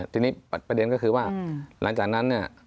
ทีนี้ประเด็นก็คือว่าหลังจากนั้นเนี่ย